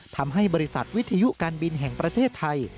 ทำให้บริษัทวิทยุการบินแห่งประเทศไทย